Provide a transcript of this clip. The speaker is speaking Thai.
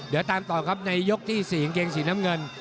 เดี๋ยวตามต่อครับในยกที่๔กางเกงสีน้ำเงิน